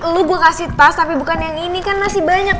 lu gue kasih tas tapi bukan yang ini kan masih banyak